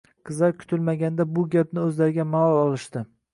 Qizlar kutilmaganda bu gapni o’zlariga malol olishdi.